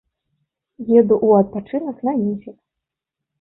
Еду ў адпачынак на месяц.